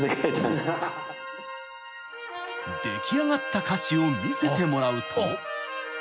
［出来上がった歌詞を見せてもらうと］